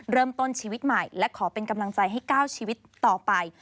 เริ่มต้นชีวิตใหม่และขอเป็นกำลังใจให้๙ชีวิตต่อไป